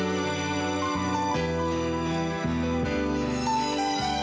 gak bakal jadi satu